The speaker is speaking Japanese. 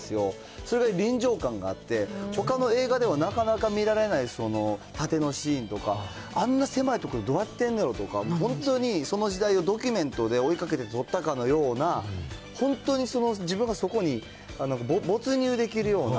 それぐらい臨場感があって、ほかの映画ではなかなか見られないタテのシーンとか、あんな狭い所でどうやってんのやろうとか、本当にその時代をドキュメントで追いかけて撮ったかのような、さあ、続いてはこちら。